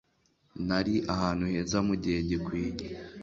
Nari ahantu heza mugihe gikwiye.